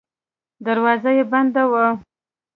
دروازه یې بنده وه.